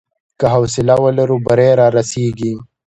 که حوصله ولرو، بری رارسېږي.